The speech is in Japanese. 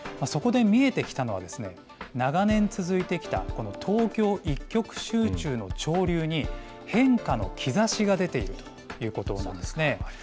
そこで見えてきたのは、長年続いてきたこの東京一極集中の潮流に変化の兆しが出ているということなんですね。